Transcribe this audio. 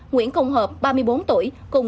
nguyễn hữu hoàng